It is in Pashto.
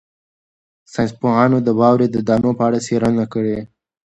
ساینس پوهانو د واورې د دانو په اړه څېړنه وکړه.